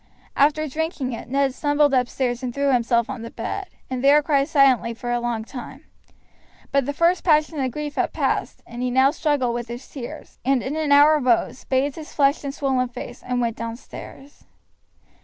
After drinking it Ned stumbled upstairs and threw himself on the bed, and there cried silently for a long time; but the first passion of grief had passed, and he now struggled with his tears, and in an hour rose, bathed his flushed and swollen face, and went downstairs.